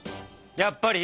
やっぱり？